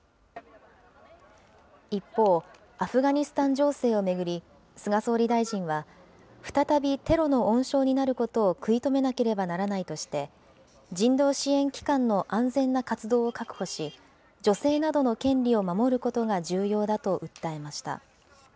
一方、アフガニスタン情勢を巡り、菅総理大臣は、再びテロの温床になることを食い止めなければならないとして、人道支援機関の安全な活動を確保し、女性などの権利を守ることが重要だと訴えました。